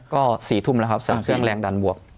ก็๔ทุ่มแล้วครับใส่เครื่องแรงดันบวก